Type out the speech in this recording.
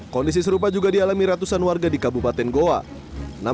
kondisi serupa juga dialami ratusan warga di kabupaten goa